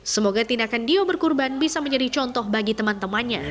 semoga tindakan dio berkurban bisa menjadi contoh bagi teman temannya